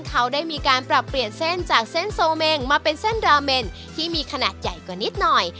เขาได้มีการปรับเปลี่ยนเส้นจากเส้นโซเมงมาเป็นเส้นราเมนที่มีขนาดใหญ่กว่านิดหน่อย